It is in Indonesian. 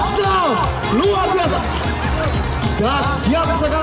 jarak delapan ratus meter